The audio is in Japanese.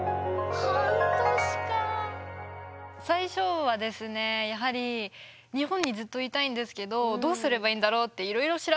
最初はですねやはり日本にずっといたいんですけどどうすればいいんだろうっていろいろ調べたんですね。